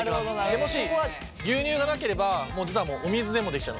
もし牛乳がなければもう実はお水でもできちゃいます。